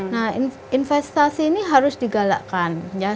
nah investasi ini harus digalakkan